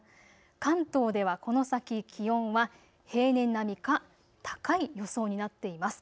関東ではこの先、気温は平年並みか高い予想になっています。